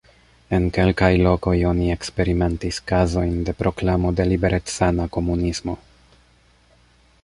En kelkaj lokoj oni eksperimentis kazojn de proklamo de liberecana komunismo.